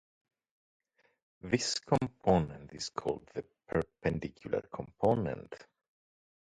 This component is called the perpendicular component.